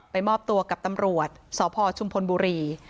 มอบตัวกับตำรวจสพชุมพลบุรี